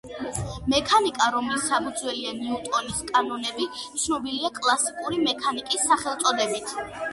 მექანიკა, რომლის საფუძველია ნიუტონის კანონები, ცნობილია კლასიკური მექანიკის სახელწოდებით.